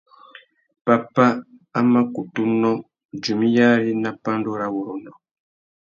Pápá a má kutu nnô, djumiyari nà pandúrâwurrôndô.